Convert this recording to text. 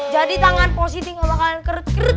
jadi tangan positif gak bakalan keret keret